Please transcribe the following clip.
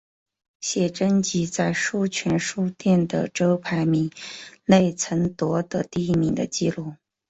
写真集在书泉书店的周排名内曾夺得第一名的纪录。